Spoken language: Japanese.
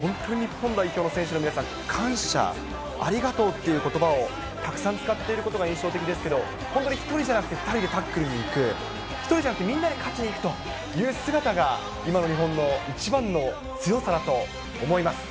決勝トーナメント進出がかかる運命のアルゼンチン戦へ、本当、日本代表の選手の皆さん、感謝、ありがとうということばをたくさん使っていることが印象的ですけど、本当に１人じゃなくて、２人でタックルに行く、１人じゃなくてみんなで勝ちに行くという姿が、今の日本の一番の強さだと思います。